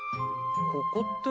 ここって？